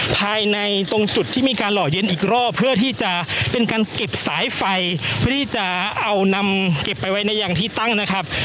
ภายในตรงจุดที่มีการหล่อเย็นอีกรอบเพื่อที่จะเป็นการเก็บสายไฟเพื่อที่จะเอานำเก็บไปไว้ในยังที่ตั้งนะครับ